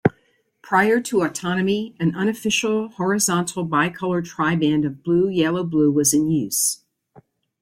Prior to autonomy, an unofficial horizontal bicolour triband of blue-yellow-blue was in use.